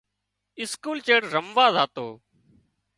اسڪول چيڙ رموازاتو